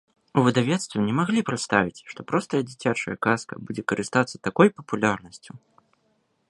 У выдавецтве не маглі прадставіць, што простая дзіцячая казка будзе карыстацца такой папулярнасцю.